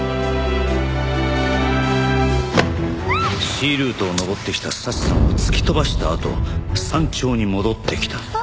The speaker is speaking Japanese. Ｃルートを登ってきた早智さんを突き飛ばしたあと山頂に戻ってきた。